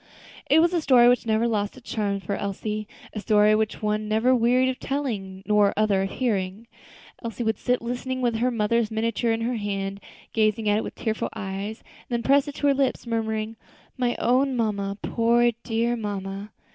It was a story which never lost its charm for Elsie; a story which the one never wearied of telling, nor the other of hearing. Elsie would sit listening, with her mother's miniature in her hand, gazing at it with tearful eyes, then press it to her lips, murmuring, "My own mamma; poor, dear mamma."